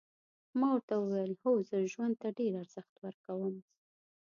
ما ورته وویل هو زه ژوند ته ډېر ارزښت ورکوم.